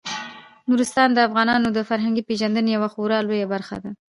نورستان د افغانانو د فرهنګي پیژندنې یوه خورا لویه برخه ده.